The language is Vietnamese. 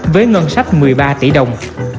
với ngân sách một mươi ba tỷ đồng